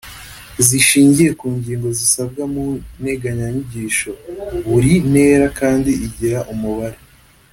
zishingiye ku ngingo zisabwa mu nteganyanyigisho. Buri ntera kandi igira umubare